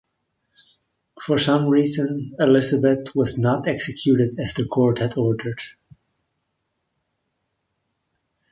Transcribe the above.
For some reason, Elizabeth was not executed as the court had ordered.